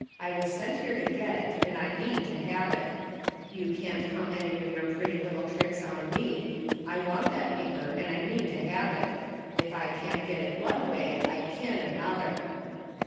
I was sent here to get it and I mean to have it You can't come any of your pretty 178 THE FINDING OF JASPER HOLT little tricks on me. I want that paper and I mean to have it. Ef I can't get it one way I kin another